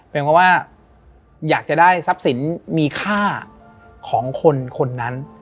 เป็นเพราะว่าอยากจะได้ทรัพย์สินมีค่าของคนนั้น